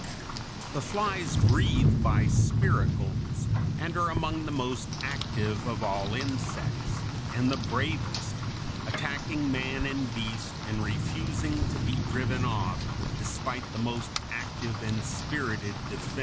The flies breathe by spiracles, and are among the most active of all insects, and the bravest, attacking man and beast, and refusing to be driven off, despite the most active and spirited defense.